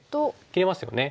切れますよね。